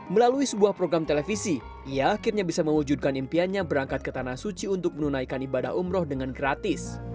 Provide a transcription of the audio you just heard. melalui sebuah program televisi ia akhirnya bisa mewujudkan impiannya berangkat ke tanah suci untuk menunaikan ibadah umroh dengan gratis